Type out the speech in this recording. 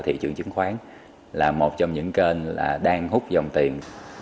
thị trường chứng khoán là một trong những kênh đang hút dòng tiền